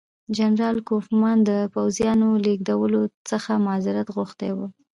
جنرال کوفمان د پوځیانو لېږلو څخه معذرت غوښتی وو.